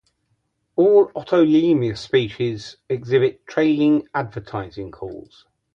All "Otolemur" species exhibit trailing advertising calls.